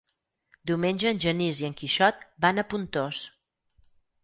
Diumenge en Genís i en Quixot van a Pontós.